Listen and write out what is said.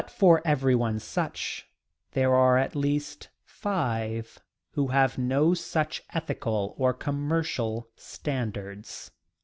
But for everyone such there are at least five who have no such ethical or commercial standards.